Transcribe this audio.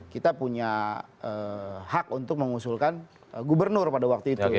kita punya hak untuk mengusulkan gubernur pada waktu itu